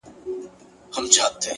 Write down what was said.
د نورو درناوی خپله سترتیا ده